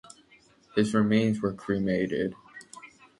His remains were cremated.